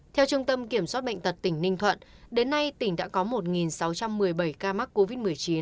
theo trung tâm kiểm soát bệnh tật tỉnh ninh thuận đến nay tỉnh đã có một sáu trăm một mươi bảy ca mắc covid một mươi chín